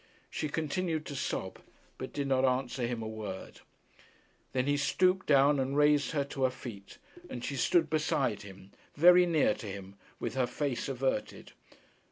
She continued to sob, but did not answer him a word. Then he stooped down and raised her to her feet, and she stood beside him, very near to him with her face averted.